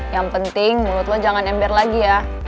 yang penting mulut lo jangan ember lagi ya